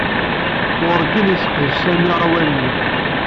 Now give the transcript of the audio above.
Werǧin yesseqdec Sami awal-nni.